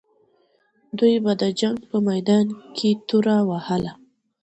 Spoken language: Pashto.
دوی به د جنګ په میدان کې توره وهله.